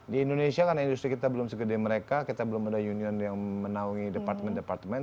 di indonesia karena industri kita belum segede mereka kita belum ada union yang menaungi department departemen